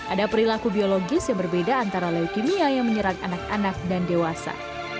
ada perilaku biologis yang berbeda antara leukemia yang menyerang anak anak dan dewasa